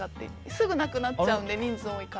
すぐなくなっちゃうので人数が多いから。